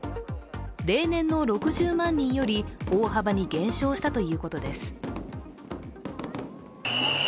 例年の６０万人より大幅に減少したということです。